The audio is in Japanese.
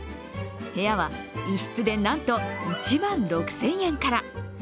部屋は１室でなんと１万６０００円から。